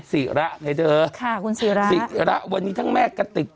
ศิระไงเธอค่ะคุณศิระศิระวันนี้ทั้งแม่กติก